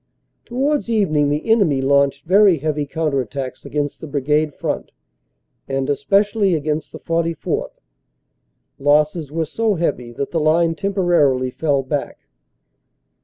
Towards evening the enemy launched very heavy counter attacks against the Brigade front, and especially against the 44th. Losses were so heavy that the line temporarily fell back.